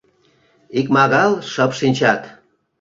Икмагал шып шинчат.